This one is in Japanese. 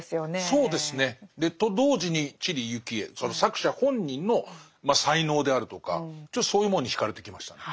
そうですね。と同時に知里幸恵その作者本人の才能であるとかちょっとそういうものに惹かれてきましたね。